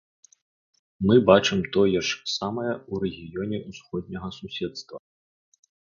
Мы бачым тое ж самае ў рэгіёне ўсходняга суседства.